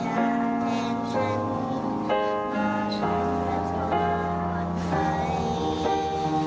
อยากแทนฉันอย่าช่างกับสวนไฟ